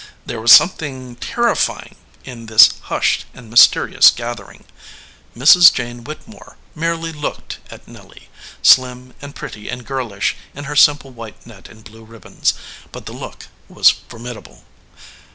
There was something terrifying in this hushed and mysterious gathering. Mrs. Jane Whittemore merely looked at Nelly, slim and pretty and girlish in her simple white net and blue ribbons, but the look was formidable.